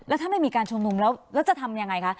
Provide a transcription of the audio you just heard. แล้วถ้าไม่มีการชุมนุมแล้วจะทำยังไงคะ